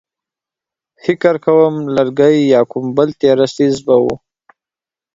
فکر کوم لرګی يا کوم بل تېره څيز به و.